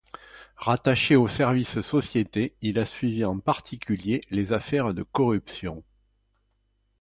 Rattaché au service société, il a suivi en particulier les affaires de corruption.